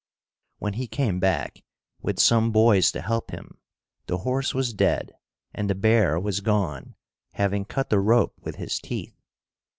When he came back, with some boys to help him, the horse was dead and the bear was gone, having cut the rope with his teeth.